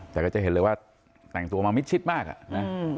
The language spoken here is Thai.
แต่ก็จะเห็นเลยว่าแต่งตัวมามิดชิดมากอ่ะนะ